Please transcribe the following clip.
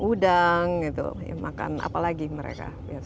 udang gitu makan apa lagi mereka